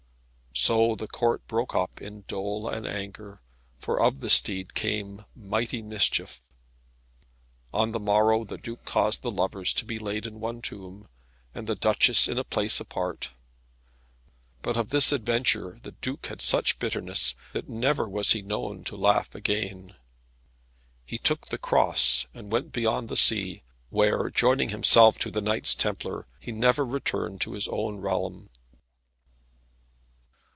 So the Court broke up in dole and anger, for of this deed came mighty mischief. On the morrow the Duke caused the lovers to be laid in one tomb, and the Duchess in a place apart. But of this adventure the Duke had such bitterness that never was he known to laugh again. He took the Cross, and went beyond the sea, where joining himself to the Knights Templar, he never returned to his own realm.